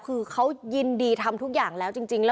คือเขายินดีทำทุกอย่างแล้วจริง